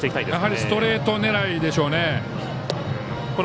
やはりストレート狙いでしょうね。